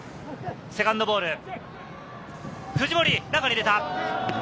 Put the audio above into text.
セカンドボール。